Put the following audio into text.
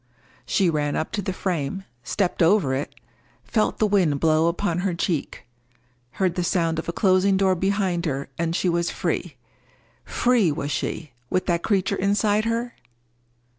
She ran up to the frame, stepped over it, felt the wind blow upon her cheek, heard the sound of a closing door behind her, and was free. Free was she, with that creature inside her?